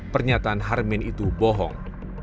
pernyataan harmin itu bohong